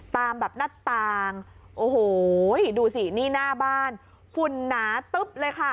ตามแบบหน้าต่างโอ้โหดูสินี่หน้าบ้านฝุ่นหนาตึ๊บเลยค่ะ